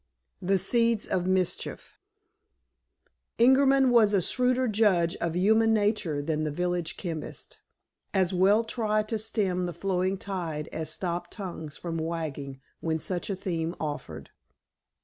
The Seeds of Mischief Ingerman was a shrewder judge of human nature than the village chemist. As well try to stem the flowing tide as stop tongues from wagging when such a theme offered.